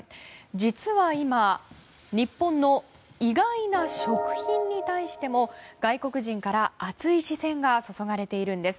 実は今日本の意外な食品に対しても外国人から熱い視線が注がれているんです。